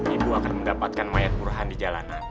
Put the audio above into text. ibu akan mendapatkan mayat burhan di jalanan